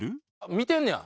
見てんねや。